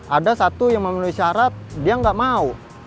ada satu yang memenuhi syarat dia nggak mau